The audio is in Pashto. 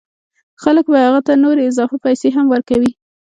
خلک به هغه ته نورې اضافه پیسې هم ورکوي